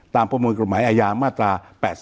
ประมวลกฎหมายอาญามาตรา๘๔